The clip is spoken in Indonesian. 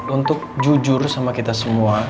untuk jujur sama kita semua